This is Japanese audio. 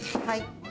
はい。